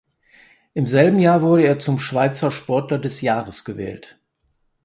Im selben Jahr wurde er zum Schweizer Sportler des Jahres gewählt.